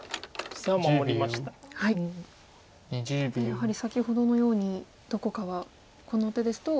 やはり先ほどのようにどこかはこの手ですと。